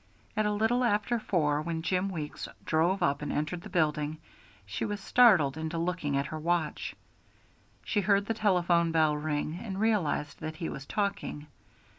At a little after four, when Jim Weeks drove up and entered the building, she was startled into looking at her watch. She heard the telephone bell ring, and realized that he was talking.